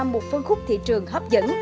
một phân khúc thị trường hấp dẫn